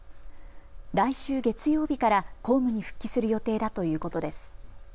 来週月曜日から公務に復帰する予定だということです。